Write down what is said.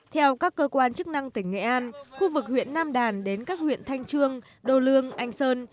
theo các cơ quan chức năng tỉnh nghệ an khu vực huyện nam đàn đến các huyện thanh trương đô lương anh sơn